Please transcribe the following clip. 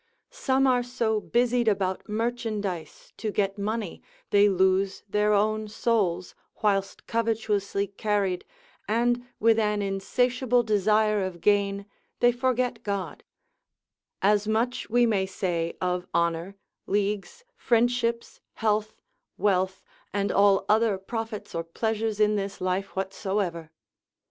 Some are so busied about merchandise to get money, they lose their own souls, whilst covetously carried, and with an insatiable desire of gain, they forget God; as much we may say of honour, leagues, friendships, health, wealth, and all other profits or pleasures in this life whatsoever.